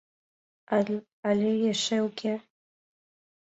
Але эше уке...